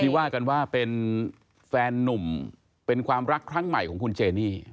ว่ากันว่าเป็นแฟนนุ่มเป็นความรักครั้งใหม่ของคุณเจนี่